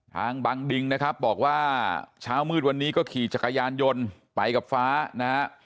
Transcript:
บางดิงนะครับบอกว่าเช้ามืดวันนี้ก็ขี่จักรยานยนต์ไปกับฟ้านะฮะ